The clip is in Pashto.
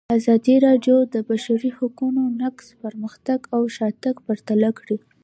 ازادي راډیو د د بشري حقونو نقض پرمختګ او شاتګ پرتله کړی.